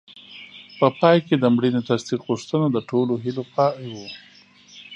په پای کې د مړینې تصدیق غوښتنه د ټولو هیلو پای و.